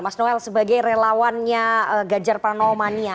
mas noel sebagai relawannya ganjar pranomania